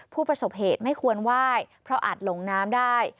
ผู้ประสบเหตุไม่ควรไหว้เพราะอาจหลงน้ำได้